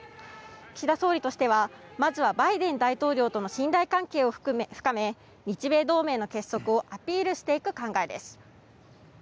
岸田総理としてはまずはバイデン大統領との信頼関係を深め日米同盟の結束をアピールしていく考えです。